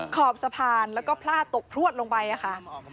ขอบสะพานแล้วก็พลาดตกพลวดลงไปค่ะ